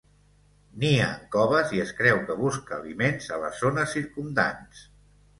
Nia en coves i es creu que busca aliment a les zones circumdants.